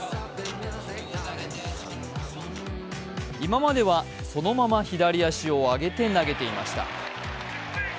今まではそのまま左足を上げて投げていました。